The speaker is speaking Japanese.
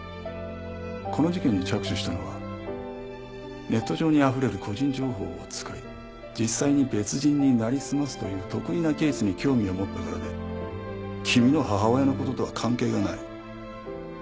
この事件に着手したのはネット上にあふれる個人情報を使い実際に別人になりすますという特異なケースに興味を持ったからで君の母親の事とは関係がない。